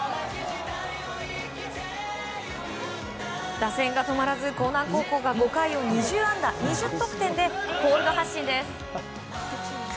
打線が止まらず興南高校が５回を２０安打２０得点でコールド発進です。